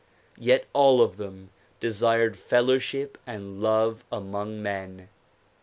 Yet all of them desired fellowship and love among men.